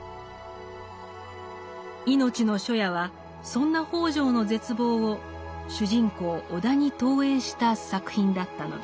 「いのちの初夜」はそんな北條の絶望を主人公・尾田に投影した作品だったのです。